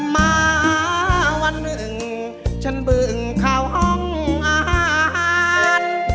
มาวันหนึ่งฉันบึงเข้าห้องอาหาร